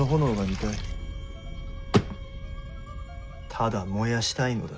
ただ燃やしたいのだ。